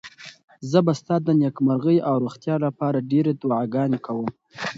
زه به ستا د نېکمرغۍ او روغتیا لپاره ډېرې دعاګانې کوم.